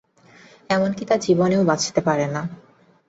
এমনকি তা জীবনও বাঁচাতে পারে।